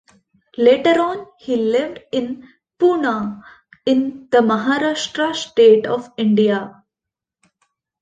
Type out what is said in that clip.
Later on he lived in Poona in the Maharashtra state of India.